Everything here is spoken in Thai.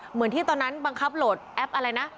เหมือนที่ตอนนั้นบังคับโหลดแอปอะไรนะ